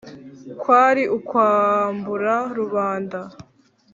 kwari ukwambura rubanda